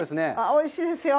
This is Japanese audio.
おいしいですよ。